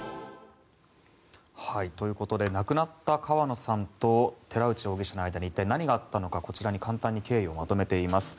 ということで亡くなった川野さんと寺内容疑者の間に一体、何があったのかこちらに簡単に経緯をまとめています。